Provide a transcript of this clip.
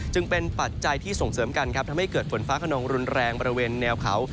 จึงเป็นปัจจัยที่ส่งเสริมกันครับทำให้เกิดฝนฟ้าขนองรุนแรงบริเวณแนวเขา